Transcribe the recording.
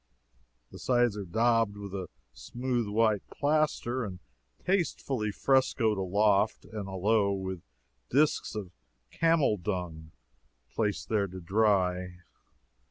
The sides are daubed with a smooth white plaster, and tastefully frescoed aloft and alow with disks of camel dung placed there to dry.